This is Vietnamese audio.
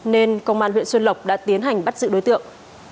nên công an huyện xuân lộc đã tiến hành bắt giữ đối tượng